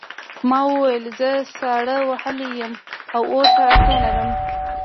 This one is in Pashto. ما وویل زه ساړه وهلی یم او اور ته اړتیا لرم